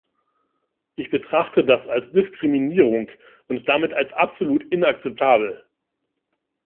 Ich betrachte das als Diskriminierung und damit als absolut inakzeptabel.